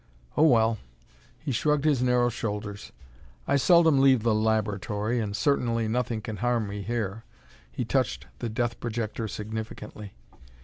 Oh, well!" He shrugged his narrow shoulders. "I seldom leave the laboratory, and certainly nothing can harm me here." He touched the death projector significantly.